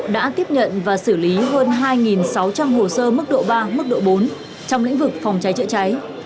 đã tiếp nhận và xử lý hơn hai sáu trăm linh hồ sơ mức độ ba mức độ bốn trong lĩnh vực phòng cháy chữa cháy